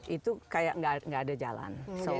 itu kayak nggak ada jalan